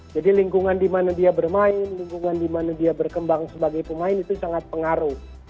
jadi lingkungan di mana dia bermain lingkungan di mana dia berkembang sebagai pemain itu sangat pengaruh